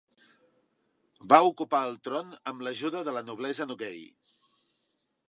Va ocupar el tron amb l'ajuda de la noblesa Nogay.